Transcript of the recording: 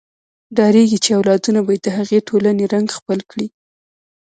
ډارېږي چې اولادونه به یې د هغې ټولنې رنګ خپل کړي.